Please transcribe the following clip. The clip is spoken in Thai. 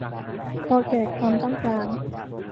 พอแก่ความต้องการ